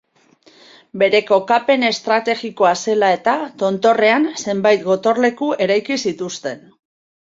Bere kokapen estrategikoa zela eta, tontorrean zenbait gotorleku eraiki zituzten.